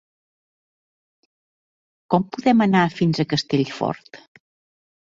Com podem anar fins a Castellfort?